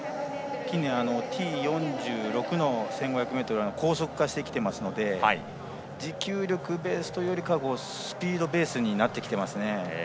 Ｔ４６の１５００ｍは高速化してきているので持久力ベースというよりスピードベースになってます。